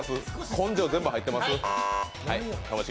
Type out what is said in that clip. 根性全部入ってます。